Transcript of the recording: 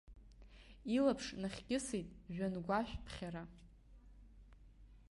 Илаԥш нахькьысит жәҩангәашәԥхьара.